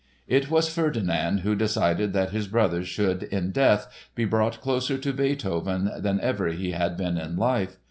It was Ferdinand who decided that his brother should, in death, be brought closer to Beethoven than ever he had been in life.